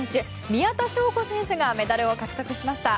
宮田笙子選手がメダルを獲得しました。